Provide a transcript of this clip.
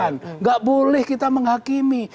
ini proses yang boleh kita menghakimi